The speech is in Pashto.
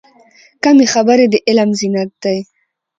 کمې خبرې، د علم زینت دی.